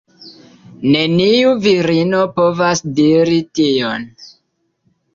Neniu virino povas diri tion